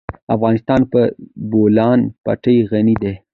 افغانستان په د بولان پټي غني دی.